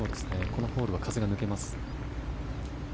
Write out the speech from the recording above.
このホールは風が抜けます。